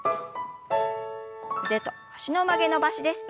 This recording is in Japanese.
腕と脚の曲げ伸ばしです。